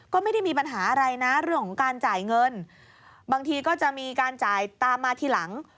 ก็ไม่ได้มีปัญหาอะไรนะเรื่องของการจ่ายเงินบางทีก็จะมีการจ่ายตามมาทีหลัง